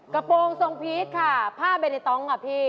กระโปรงทรงพีชค่ะผ้าเบเนต้องค่ะพี่